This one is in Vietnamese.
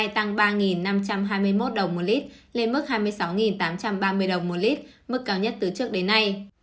tăng ba năm trăm hai mươi một đồng một lít lên mức hai mươi sáu tám trăm ba mươi đồng một lít mức cao nhất từ trước đến nay